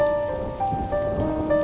ya enggak apa apa